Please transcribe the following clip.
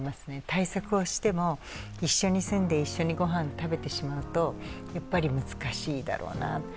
対策をしても、一緒に住んで、一緒に御飯を食べてしまうとやはり難しいだろうなと。